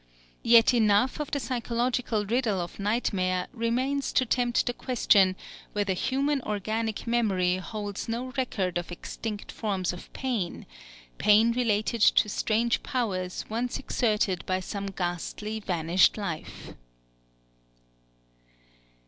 Yet enough of the psychological riddle of nightmare remains to tempt the question whether human organic memory holds no record of extinct forms of pain, pain related to strange powers once exerted by some ghastly vanished life.